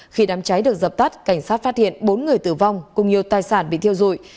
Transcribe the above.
khi đám cháy được dập tắt cảnh sát phát hiện bốn người tử vong cùng nhiều tài sản bị thiêu dụi